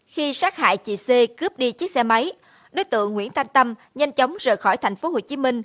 khi sát hại chị c cướp đi chiếc xe máy đối tượng nguyễn thanh tâm nhanh chóng rời khỏi tp hcm